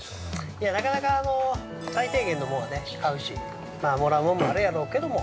◆いや、なかなか、あの最低限のものは買うしもらうほうもあれやろうけども。